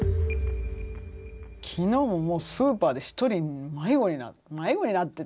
昨日もスーパーで１人迷子になって。